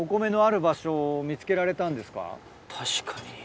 確かに。